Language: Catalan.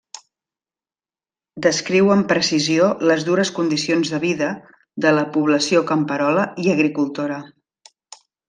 Descriu amb precisió les dures condicions de vida de la població camperola i agricultora.